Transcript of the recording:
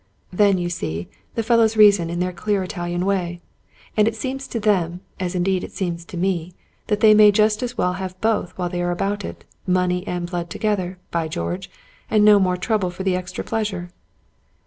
Then, you see, the fellows reason in their clear Italian way ; and it seems to them, as indeed it seems to me, that they may just as well have both while they're about it — money and blood together, by George, and no more trouble for the extra pleasure."